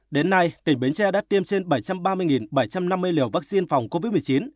đến nay tỉnh bến tre đã tiêm trên bảy trăm ba mươi bảy trăm năm mươi liều vaccine phòng covid một mươi chín